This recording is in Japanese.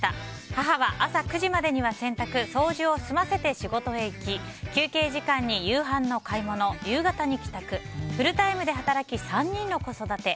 母は朝９時までには洗濯、掃除を済ませて仕事へ行き休憩時間に夕飯の買い物夕方に帰宅フルタイムで働き３人の子育て。